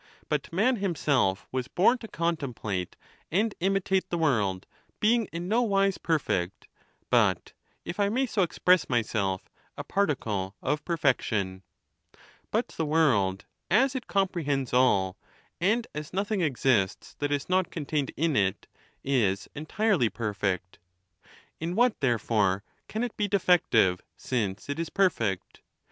But man himself was born to contemplate and imitate the world, being in no wise perfect, but, if I may so express myself, a particle of perfection ; but the world, as it com prehends all, and as nothing exists that is not contained in it, is entirely perfect. In what, therefore, can it be defec tive, since it is perfect